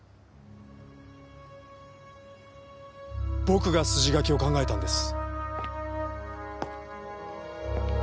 僕が筋書きを考えたんです。